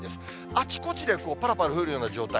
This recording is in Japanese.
あちこちでぱらぱら降るような状態。